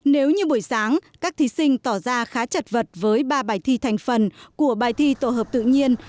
nếu như buổi sáng các thí sinh tỏ ra khá chật vật với ba bài thi thành phần của bài thi tổ hợp tự nhiên